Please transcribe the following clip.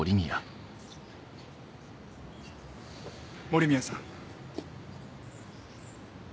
森宮さん。